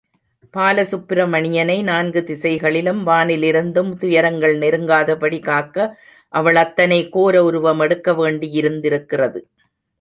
பால சுப்பிரமணியனை, நான்கு திசைகளிலும், வானில் இருந்தும் துயரங்கள் நெருங்காதபடி காக்க அவள் அத்தகைய கோர உருவம் எடுக்கவேண்டியிருந்திருக்கிறது.